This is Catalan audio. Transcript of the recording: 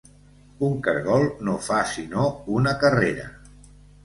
Un caragol no fa sinó una carrera.